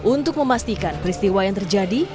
untuk memastikan peristiwa yang terjadi